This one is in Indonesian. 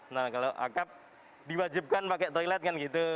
nah kalau akap diwajibkan pakai toilet kan gitu